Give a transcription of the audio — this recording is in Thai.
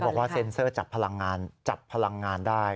บอกว่าเซ็นเซอร์จับพลังงานจับพลังงานได้